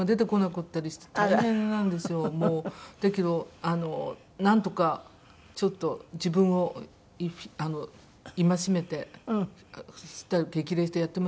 だけどなんとかちょっと自分を戒めて叱咤激励してやってますけど。